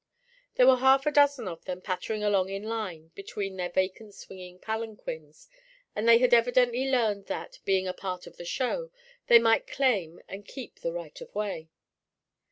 There were half a dozen of them pattering along in line between their vacant swinging palanquins, and they had evidently learned that, being a 'part of the show,' they might claim and keep the right of way.